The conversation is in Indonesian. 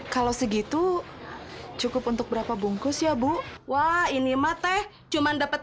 kalau segitu cukup untuk berapa bungkus ya bu wah ini mah teh cuman dapat